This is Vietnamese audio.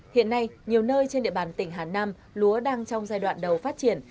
hiện nay nhiều nơi trên địa bàn tỉnh hà nam lúa đang trong giai đoạn đầu phát triển